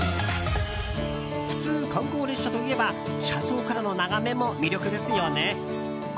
普通、観光列車といえば車窓からの眺めも魅力ですよね。